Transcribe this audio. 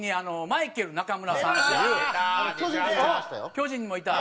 巨人にもいた。